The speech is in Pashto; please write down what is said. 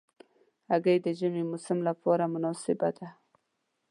هګۍ د ژمي موسم لپاره مناسبه ده.